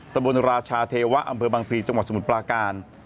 บนราชาเทวะอำเภอบังพลีจังหวัดสมุทรปลาการ